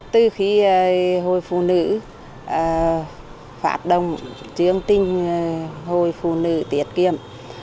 từ khi hội phụ nữ phát đồng chương trình hội phụ nữ tiết kiệm